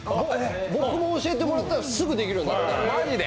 僕も教えてもらったらすぐできるようになったんで。